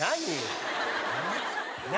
何？